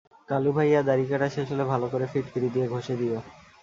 কালু ভাইয়া, দাড়ি কাটা শেষ হলে ভালো করে ফিটকিরি দিয়ে ঘষে দিও।